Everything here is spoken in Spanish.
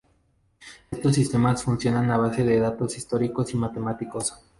Estos sistemas funcionan a base de datos históricos y matemáticos.